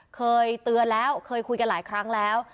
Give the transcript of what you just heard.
เคยเตือนแล้วเคยคุยกันหลายครั้งแล้ว